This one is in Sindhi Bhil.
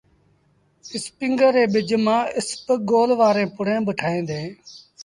اسپيٚنگر ري ٻج مآݩ اسپگول وآريٚݩ پُڙيٚن با ٺوهيݩ ديٚݩ۔